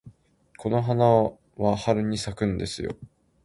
この花は春に咲くんですよ。